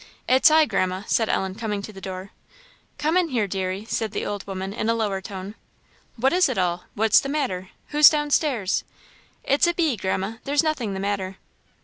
"It's I, Grandma," said Ellen, coming to the door. "Come in here, deary," said the old woman, in a lower tone "what is it all? what's the matter? who's down stairs?" "It's a bee, Grandma; there's nothing the matter."